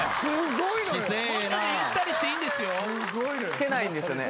つけないんですよね。